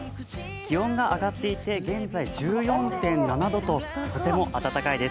気温が上がっていて現在１４．７度ととても暖かいです。